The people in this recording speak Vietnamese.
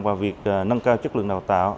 vào việc nâng cao chất lượng đào tạo